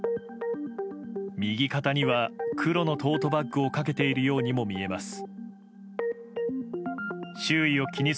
右肩には、黒のトートバッグをかけているようにも見えます。